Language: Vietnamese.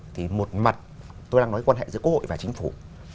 thì một mặt tôi đang nói quan hệ giữa quốc hội và chính phủ